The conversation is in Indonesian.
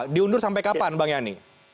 diundur sampai kapan bang yani